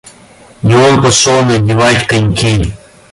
И он пошел надевать коньки.